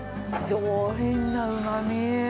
上品なうまみ。